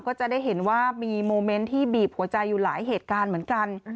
ก็จะได้เห็นว่ามีโมเมนต์ที่บีบหัวใจอยู่หลายเหตุการณ์เหมือนกัน